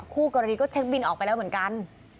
คู่กรณีก็เช็คบินออกไปแล้วเหมือนกัน